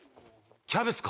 キャベツか？